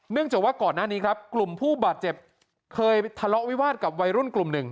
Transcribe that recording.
จากว่าก่อนหน้านี้ครับกลุ่มผู้บาดเจ็บเคยทะเลาะวิวาสกับวัยรุ่นกลุ่มหนึ่ง